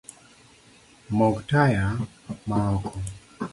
Mok taya maoko